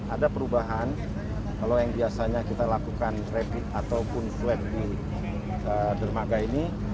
ada perubahan kalau yang biasanya kita lakukan rapid ataupun flag di dermaga ini